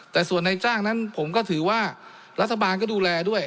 แต่ส่วนในจ้างนั้นผมก็ถือว่ารัฐบาลก็ดูแลด้วย